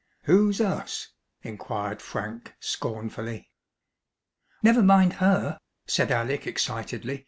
"Who's us?" inquired Frank scornfully. "Never mind her," said Alec excitedly.